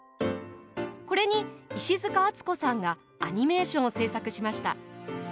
これにいしづかあつこさんがアニメーションを制作しました。